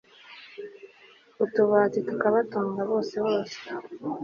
utubari tukatubunga bose bose